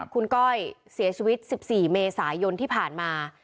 คุณก้อยเสียชีวิต๑๔เมษายนที่ผ่านมา